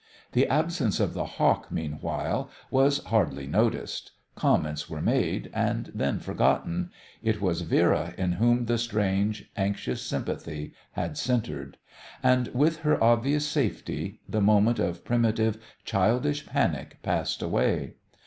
The absence of the Hawk, meanwhile, was hardly noticed; comments were made and then forgotten; it was Vera in whom the strange, anxious sympathy had centred. And, with her obvious safety, the moment of primitive, childish panic passed away.